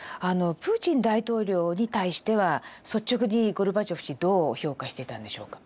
プーチン大統領に対しては率直にゴルバチョフ氏どう評価していたんでしょうか？